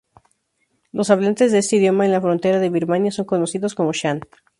Los hablantes de este idioma en la frontera de Birmania son conocidos como Shan.